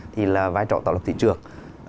thì là vai trò tạo lập thị trường